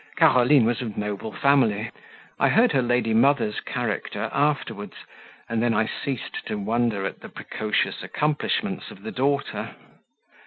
Caroline was of noble family. I heard her lady mother's character afterwards, and then I ceased to wonder at the precocious accomplishments of the daughter.